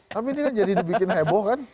tapi ini kan jadi dibikin heboh kan